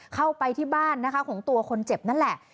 เข้าไปที่บ้านนะคะของตัวคนเจ็บนั่นแหละ